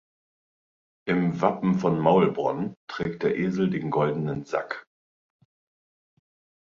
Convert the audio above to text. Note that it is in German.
Im Wappen von Maulbronn trägt der Esel den goldenen Sack.